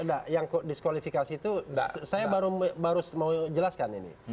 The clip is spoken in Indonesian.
tidak yang diskualifikasi itu saya baru mau jelaskan ini